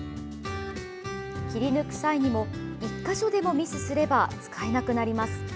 切り抜く際にも、１か所でもミスすれば使えなくなります。